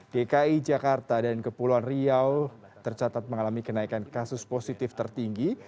dki jakarta dan kepulauan riau tercatat mengalami kenaikan kasus positif tertinggi